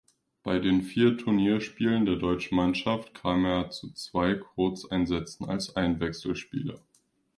Bei den vier Turnierspielen der deutschen Mannschaft kam er zu zwei Kurzeinsätzen als Einwechselspieler.